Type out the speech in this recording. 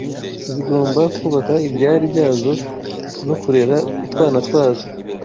zigomba kubaka ibyari byazo no kurera utwana twazo